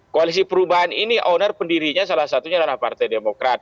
koalisi perubahan ini owner pendirinya salah satunya adalah partai demokrat